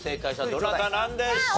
どなたなんでしょうか？